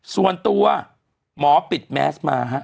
ส่วนตัวหมอปิดแมสมาฮะ